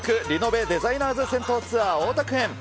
リノベデザイナーズ銭湯ツアー、大田区編。